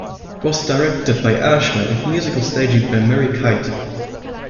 It was directed by Ashman with musical staging by Mary Kyte.